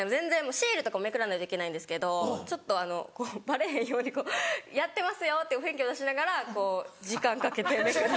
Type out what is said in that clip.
シールとかもめくらないといけないんですけどちょっとバレへんようにやってますよっていう雰囲気を出しながら時間かけてやる。